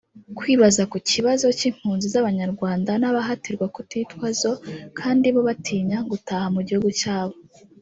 Kwibaza ku kibazo cy’impunzi z’abanyarwanda n’abahatirwa kutitwa zo kandi bo batinya gutaha mu gihugu cyabo